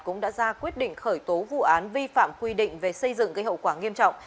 cũng đã ra quyết định khởi tố vụ án vi phạm quy định về xây dựng gây hậu quả nghiêm trọng